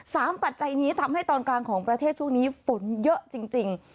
ปัจจัยนี้ทำให้ตอนกลางของประเทศช่วงนี้ฝนเยอะจริงจริง